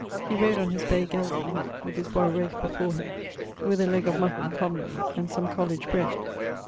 He rode on his bay gelding, with his boy Ralph before him, with a leg of mutton (commonly) and some colledge bread.